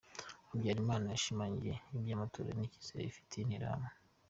Habyarimana yashimangiye iby’amatora n’icyizere afitiye Interahamwe.